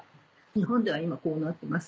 日本では今こうなってます